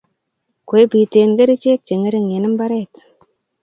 Kwe pitee kerichek che ngering'en mbaret